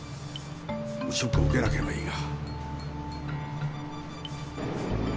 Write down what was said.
ショックを受けなければいいが。